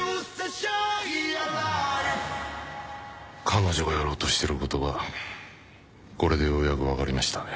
彼女がやろうとしてることがこれでようやく分かりましたね。